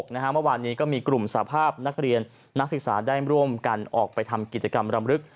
เมื่อวานนี้ก็มีกลุ่มสภาพนักเรียนนักศึกษาได้ร่วมกันออกไปทำกิจกรรมรำลึก